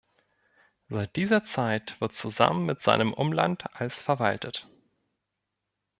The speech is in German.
Seit dieser Zeit wird zusammen mit seinem Umland als verwaltet.